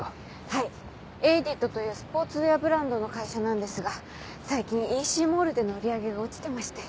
はい「エイディット」というスポーツウエアブランドの会社なんですが最近ＥＣモールでの売り上げが落ちてまして。